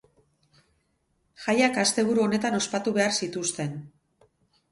Jaiak asteburu honetan ospatu behar zituzten.